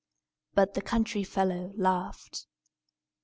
But then the country fellow laughed.